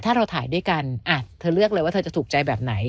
ถ้าเราถ่ายด้วยกันเธอเลือกเลยว่าเธอจะถูกใจแบบไหน